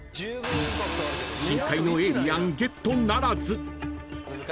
［深海のエイリアンゲットならず］